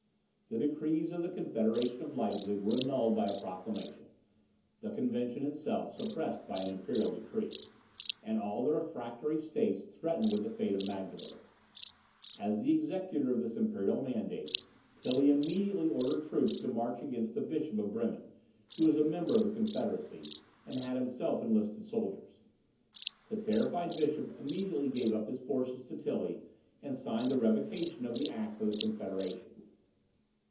The decrees of the Confederation of Leipzig were annulled by a proclamation, the Convention itself suppressed by an imperial decree, and all the refractory states threatened with the fate of Magdeburg. As the executor of this imperial mandate, Tilly immediately ordered troops to march against the Bishop of Bremen, who was a member of the Confederacy, and had himself enlisted soldiers. The terrified bishop immediately gave up his forces to Tilly, and signed the revocation of the acts of the Confederation.